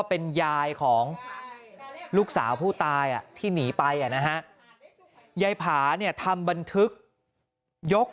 เป็นยายของลูกสาวผู้ตายที่หนีไปนะฮะยายผาเนี่ยทำบันทึกยก